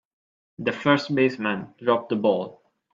The first baseman dropped the ball.